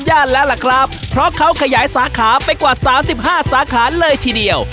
แล้วล่ะครับเพราะเขาขยายสาขาไปกว่าสามสิบห้าสาขาเลยทีเดียว